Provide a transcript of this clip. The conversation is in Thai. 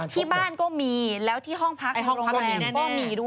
ที่บ้านก็มีแล้วที่ห้องพักก็มีแน่เหตุไม๊